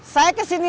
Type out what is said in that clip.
ya udah kang